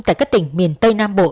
tại các tỉnh miền tây nam bộ